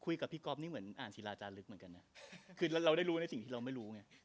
พี่ก๊อฟนี่เหมือนอ่านศิลาอาจารย์ลึกเหมือนกันนะคือเราได้รู้ในสิ่งที่เราไม่รู้ไง